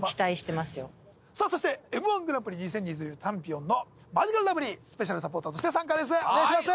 そしてＭ−１グランプリ２０２チャンピオンのマヂカルラブリースペシャルサポーターとして参加ですお願いします